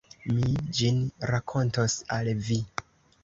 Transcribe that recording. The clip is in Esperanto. Mi ĝin rakontos al vi.